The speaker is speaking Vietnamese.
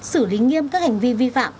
xử lý nghiêm các hành vi vi phạm